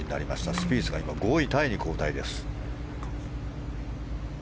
スピースが今、５位タイに後退です。